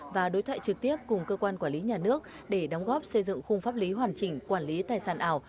và đối thoại trực tiếp cùng cơ quan quản lý nhà nước để đóng góp xây dựng khung pháp lý hoàn chỉnh quản lý tài sản ảo